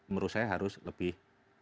menurut saya harus lebih